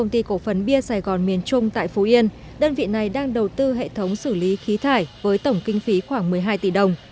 công ty cổ phấn bia sài gòn miền trung tại phú yên đơn vị này đang đầu tư hệ thống xử lý khí thải với tổng kinh phí khoảng một mươi hai tỷ đồng